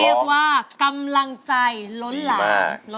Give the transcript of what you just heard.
เรียกว่ากำลังใจล้นหลาม